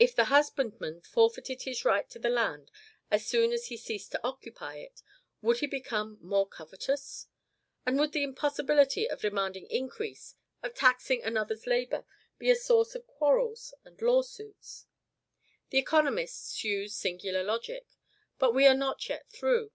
if the husbandman forfeited his right to the land as soon as he ceased to occupy it, would he become more covetous? And would the impossibility of demanding increase, of taxing another's labor, be a source of quarrels and law suits? The economists use singular logic. But we are not yet through.